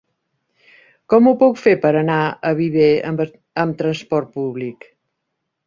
Com ho puc fer per anar a Viver amb transport públic?